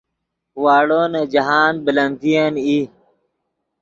واڑو نے جاہند بلندین ای